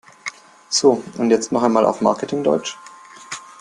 So, und jetzt noch mal auf Marketing-Deutsch!